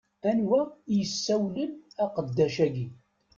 Anwa i yessewlen aqeddac-agi?